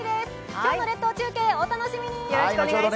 今日の列島中継お楽しみに！